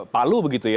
palu begitu ya